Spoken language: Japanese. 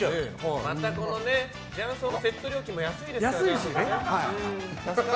またね、雀荘のセット料金も安いですからね。